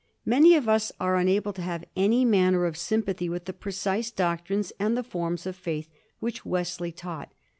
Many of ns are unable to have any manner of sympathy with the precise doctrines and the forms of faith which Wesley taught.